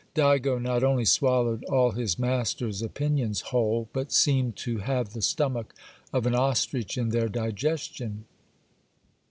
Digo not only swallowed all his master's opinions whole, but seemed to have the stomach of an ostrich in their digestion.